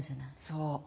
そう。